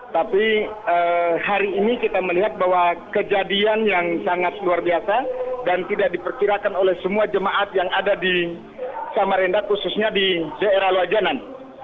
tapi hari ini kita melihat bahwa kejadian yang sangat luar biasa dan tidak diperkirakan oleh semua jemaat yang ada di samarinda khususnya di daerah loajanan